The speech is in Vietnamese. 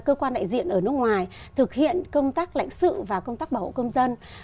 cơ quan đại diện ở nước ngoài thực hiện công tác lãnh sự và công tác bảo hộ công dân